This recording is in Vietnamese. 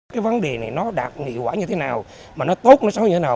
cái vấn đề này nó đạt hiệu quả như thế nào mà nó tốt nó sống như thế nào